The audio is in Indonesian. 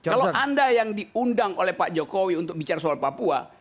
kalau anda yang diundang oleh pak jokowi untuk bicara soal papua